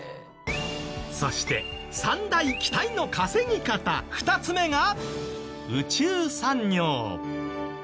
そして３大期待の稼ぎ方２つ目が宇宙産業。